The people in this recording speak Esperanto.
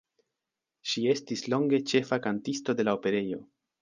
Ŝi estis longe ĉefa kantisto de la Operejo.